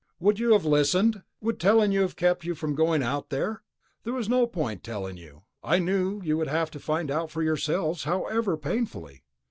"Would you have listened? Would telling you have kept you from going out there? There was no point to telling you, I knew you would have to find out for yourselves, however painfully.